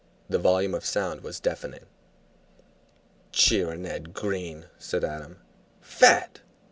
The volume of sound was deafening. "Cheering Ed Green!" said Adam. "Fat!